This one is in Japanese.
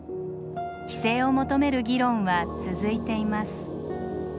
規制を求める議論は続いています。